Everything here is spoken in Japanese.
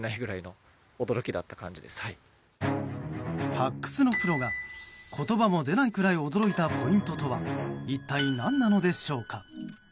発掘のプロが言葉も出ないくらい驚いたポイントとは一体何なのでしょうか。